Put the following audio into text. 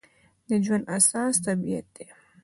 د ژوند اساس طبیعت دی.